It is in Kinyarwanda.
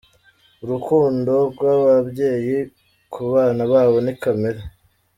Urukundo rw’ababyeyi ku bana babo ni kamere.